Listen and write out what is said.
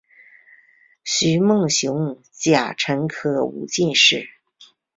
徐梦熊甲辰科武进士。